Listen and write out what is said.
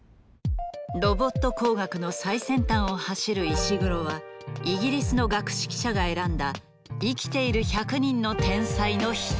ロボット工学の最先端を走る石黒はイギリスの学識者が選んだ生きている１００人の天才の一人。